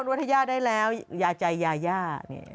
ว่าถ้าย่าได้แล้วยาใจยาย่า